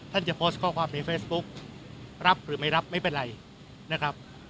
จะโพสต์ข้อความในเฟซบุ๊กรับหรือไม่รับไม่เป็นไรนะครับ